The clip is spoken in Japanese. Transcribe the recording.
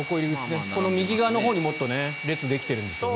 右側のほうにもっと列ができてるんですよね。